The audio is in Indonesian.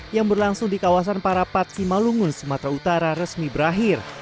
yang berlangsung di kawasan parapat simalungun sumatera utara resmi berakhir